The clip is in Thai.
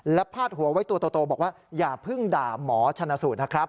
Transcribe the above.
และพาดหัวไว้ตัวโตบอกว่าอย่าเพิ่งด่าหมอชนะสูตรนะครับ